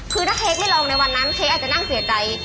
คือถ้าเค้กไม่ลองในวันนั้นเค้กอาจจะนั่งเสียใจ